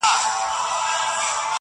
نو پر تا به د قصاب ولي بری وای -